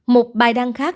một bài đăng khác